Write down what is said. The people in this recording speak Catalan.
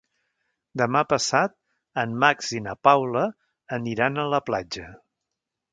Demà passat en Max i na Paula aniran a la platja.